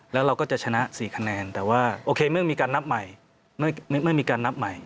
แล้วเราก็จะชนะ๔คะแนนแต่ว่าโอเคไม่มีการนับใหม่